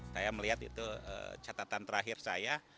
saya melihat itu catatan terakhir saya